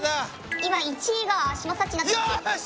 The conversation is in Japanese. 今１位が嶋佐ッチになってます。